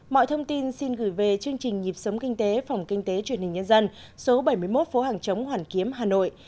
mọi thông tin xin gửi về chương trình nhịp sống kinh tế phòng kinh tế truyền hình nhân dân số bảy mươi một phố hàng chống hoàn kiếm hà nội